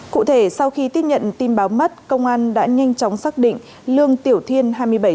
cụ thể sau khi tiếp nhận tin báo mất công an đã nhanh chóng xác định lương tiểu thiên hai mươi bảy tuổi